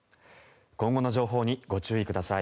今後の情報にご注意ください。